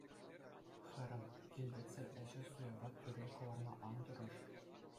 Хӗрӗм, килпетсӗр ӗҫе суяпа тӳрре кӑларма ан тӑрӑш.